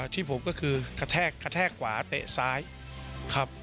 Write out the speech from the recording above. ที่ผมก็คือกระแทกขวาเตะซ้ายครับ